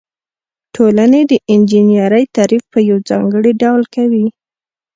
ټولنې د انجنیری تعریف په یو ځانګړي ډول کوي.